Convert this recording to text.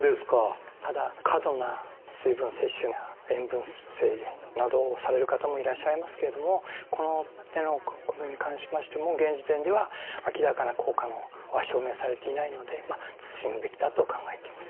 ただ過度な水分摂取や塩分制限などをされる方もいらっしゃいますけれどもこの点のことに関しましても現時点では明らかな効果は証明されていないので慎むべきだと考えています。